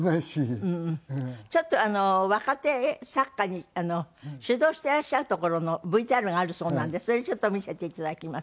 ちょっと若手作家に指導していらっしゃるところのＶＴＲがあるそうなんでそれちょっと見せて頂きます。